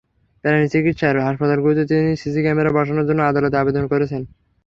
প্রাণী চিকিৎসার হাসপাতালগুলোতে তিনি সিসি ক্যামেরা বসানোর জন্য আদালতে আবেদন করেছেন।